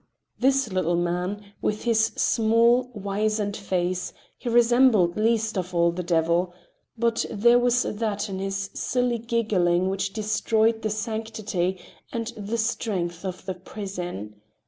This little man, with his small, wizened face—he resembled least of all the devil—but there was that in his silly giggling which destroyed the sanctity and the strength of the prison.